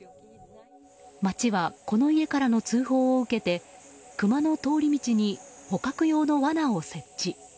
町は、この家からの通報を受けてクマの通り道に捕獲用の罠を設置。